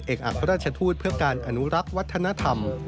อัครราชทูตเพื่อการอนุรักษ์วัฒนธรรม